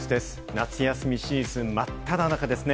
夏休みシーズン真っ只中ですね。